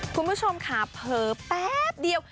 คุณผู้ชมค่ะเผลอแป๊บเดียว